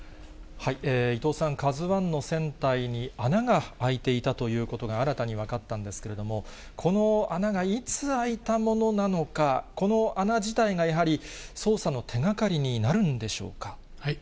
伊藤さん、ＫＡＺＵＩの船体に穴が開いていたということが新たに分かったんですけれども、この穴がいつ開いたものなのか、この穴自体が、やはり捜査の手がかりになるんでしょうか。